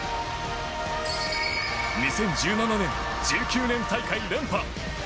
２０１７年、１９年大会連覇。